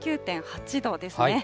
１９．８度ですね。